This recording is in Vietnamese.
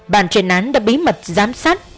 bàn truyền án đã bí mật giám sát